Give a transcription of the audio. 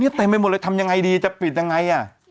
เนี่ยเต็มไปหมดเลยทำยังไงดีจะปิดยังไง